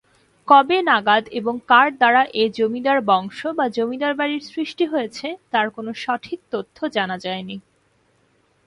কবে নাগাদ এবং কার দ্বারা এই জমিদার বংশ বা জমিদার বাড়ির সৃষ্টি হয়েছে তার কোনো সঠিক তথ্য জানা যায়নি।